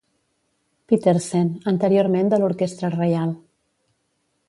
Petersen, anteriorment de l'Orquestra Reial.